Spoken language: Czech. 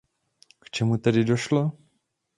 K čemu tedy došlo?